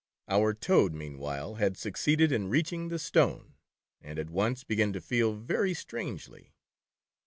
Our Toad, meanwhile, had succeeded in reaching the stone, and at once began to feel very strangely.